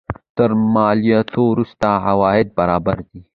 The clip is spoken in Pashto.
تر مالیاتو وروسته عواید برابر دي.